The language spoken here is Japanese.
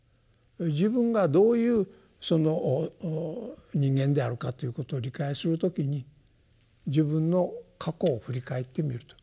自分がどういう人間であるかということを理解する時に自分の過去を振り返ってみると。